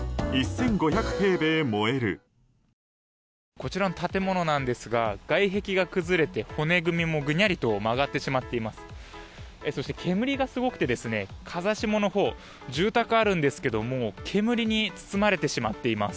こちらの建物なんですが外壁が崩れて骨組みもぐにゃりと曲がってしまっています。